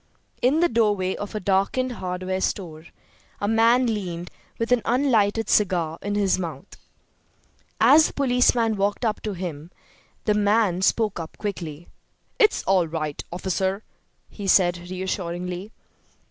In the doorway of a darkened hardware store a man leaned, with an unlighted cigar in his mouth. As the policeman walked up to him the man spoke up quickly. "It's all right, officer," he said, reassuringly.